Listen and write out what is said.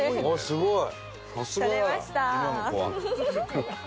すごい。